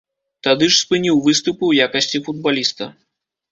Тады ж спыніў выступы ў якасці футбаліста.